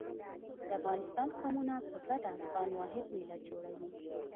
د افغانستان قومونه په ګډه افغان واحد ملت جوړوي.